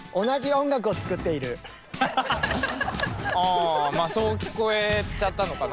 あまあそう聞こえちゃったのかな？